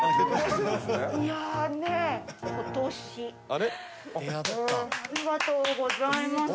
ありがとうございます。